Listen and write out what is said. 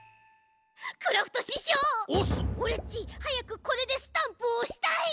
オレっちはやくこれでスタンプをおしたい！